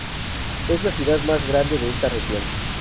Es la ciudad más grande de esta región.